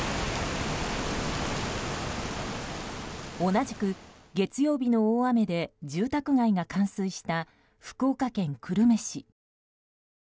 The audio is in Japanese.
同じく月曜日の大雨で住宅街が冠水した福岡県久留米市。